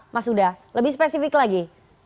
mas huda lebih spesifik lagi